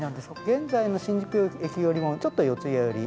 現在の新宿駅よりもちょっと四谷寄り。